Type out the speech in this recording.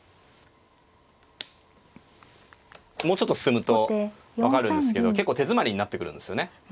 もうちょっと進むと分かるんですけど結構手詰まりになってくるんですよね。